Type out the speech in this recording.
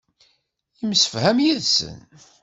Yemsefham yid-sen.